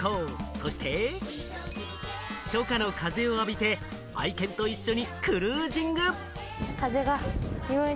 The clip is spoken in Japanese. そして初夏の風を浴びて、愛犬と一緒にクルージング。